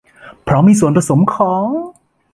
เพราะมีส่วนผสมของ